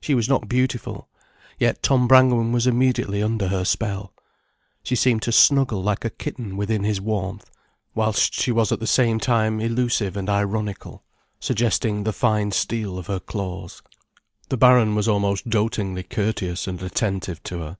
She was not beautiful, yet Tom Brangwen was immediately under her spell. She seemed to snuggle like a kitten within his warmth, whilst she was at the same time elusive and ironical, suggesting the fine steel of her claws. The Baron was almost dotingly courteous and attentive to her.